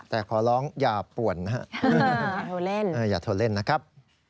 แต่ขอร้องอย่าป่วนนะฮะอย่าโทรเล่นนะครับ